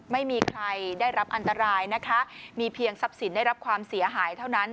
ไม่มีใครได้รับอันตรายนะคะมีเพียงทรัพย์สินได้รับความเสียหายเท่านั้น